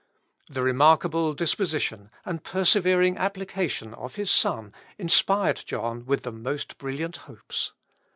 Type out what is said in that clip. The remarkable disposition, and persevering application of his son, inspired John with the most brilliant hopes.